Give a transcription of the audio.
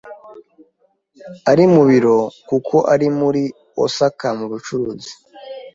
Ari mu biro kuko ari muri Osaka mu bucuruzi.